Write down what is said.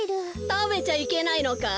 たべちゃいけないのかい？